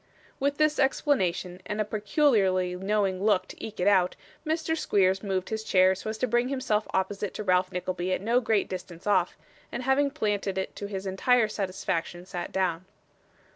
With this explanation, and a peculiarly knowing look to eke it out, Mr. Squeers moved his chair so as to bring himself opposite to Ralph Nickleby at no great distance off; and having planted it to his entire satisfaction, sat down.